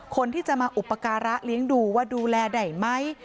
คนที่จะมาอุปการะเลี้ยงดูว่าดูแลได้ไหม